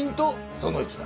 その１だ。